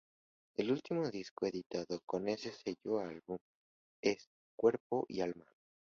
El último disco editado con ese sello álbum es "En cuerpo y alma".